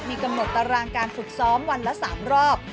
มีกำหนดตารางการฝึกซ้อมวันละ๓รอบ